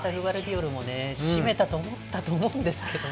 しめたと思ったと思うんですけどね。